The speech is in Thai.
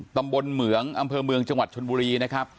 ตำบลเหมืองอำเภอเมืองจังหวัดชนบุรี